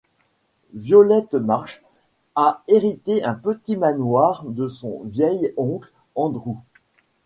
Violet Marsh a hérité un petit manoir de son vieil oncle Andrew.